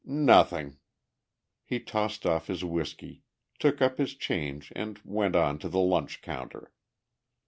"Nothing." He tossed off his whiskey, took up his change and went on to the lunch counter.